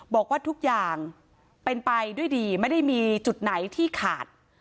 บอกว่าทุกอย่างเป็นไปด้วยดีไม่ได้มีจุดไหนที่ขาด